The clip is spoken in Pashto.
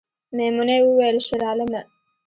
میمونۍ وویل شیرعالمه